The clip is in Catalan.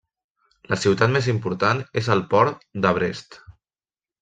La ciutat més important és el port de Brest.